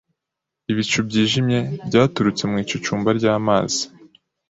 ibicu byijimye, byaturutse ku icucumba ry’amazi,